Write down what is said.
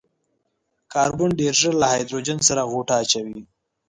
کاربن ډېر ژر له هايډروجن سره غوټه اچوي.